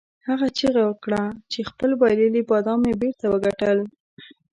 هغه چیغه کړه چې خپل بایللي بادام مې بیرته وګټل.